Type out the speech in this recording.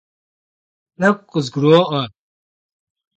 T'ek'u khızguro'ue.